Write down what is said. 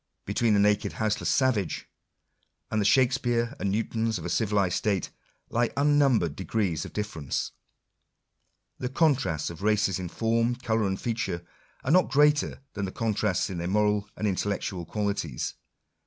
Between the naked houseless savage, and the Shakspeare8 and Newtons of a civilized state, lie unnumbered degrees of difference. The contrasts of races in form, colour, and feature, are not greater than the contrasts in their moral and intellectual qualities.